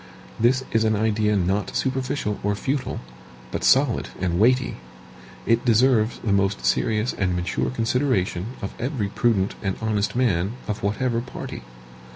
This is an idea not superficial or futile, but solid and weighty. It deserves the most serious and mature consideration of every prudent and honest man of whatever party.